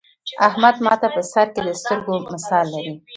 احمد ماته په سر کې د سترگو مثال لري.